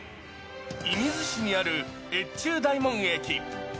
射水市にある越中大門駅。